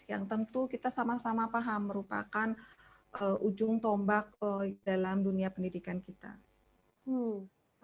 yang tentu kita sama sama paham merupakan ujung tombak dalam dunia pendidikan kita